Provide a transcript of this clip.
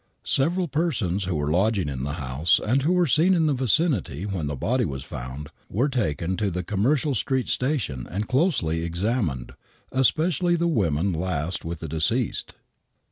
Several persons who were lodging in the house, and who were seen in the vicinity when the body was found, were taken to the Conmiercial Street station and closely examined, especially the women last with the deceased.